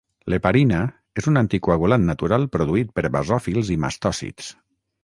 L'heparina és un anticoagulant natural produït per basòfils i mastòcits.